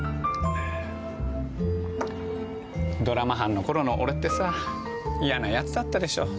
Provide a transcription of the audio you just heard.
ドラマ班のころの俺ってさ嫌なやつだったでしょ？